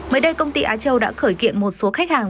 mới đây công ty á châu đã khởi kiện một số khách hàng